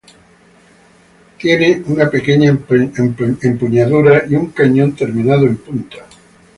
Tiene una pequeña empuñadura y un cañón terminado en punta.